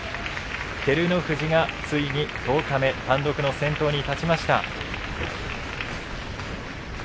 照ノ富士が、ついに十日目単独の先頭に立ちました。